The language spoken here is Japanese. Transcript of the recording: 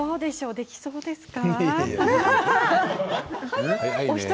できそうですか？